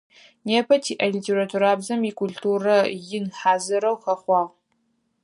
Непэ тиӏэ литературабзэм икультурэ ин хьазырэу хэхъуагъ.